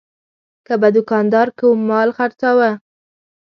که به دوکاندار کوم مال خرڅاوه.